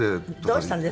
どうしたんで。